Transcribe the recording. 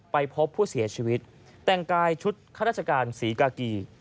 ไปพบผู้เสียชีวิตแต่งกายชุดข้าราชการศรีกากี